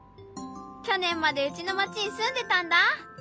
去年までうちの町に住んでたんだ。